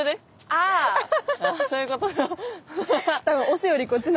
ああそういうこと。